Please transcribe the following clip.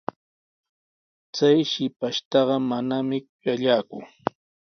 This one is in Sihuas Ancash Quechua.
Chay shipashtaqa manami kuyallaaku.